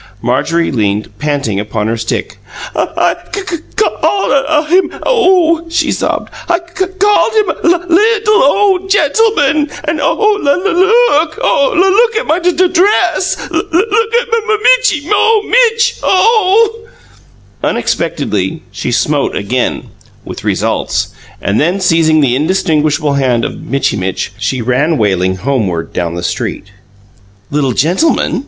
Marjorie leaned, panting, upon her stick. "I cu called uh him oh!" she sobbed "I called him a lul little oh gentleman! And oh lul look! oh! lul look at my du dress! Lul look at Mumitchy oh Mitch oh!" Unexpectedly, she smote again with results and then, seizing the indistinguishable hand of Mitchy Mitch, she ran wailing homeward down the street. "'Little gentleman'?"